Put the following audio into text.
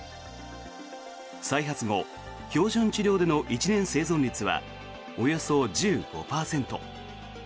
再発後、標準治療での１年生存率はおよそ１５％。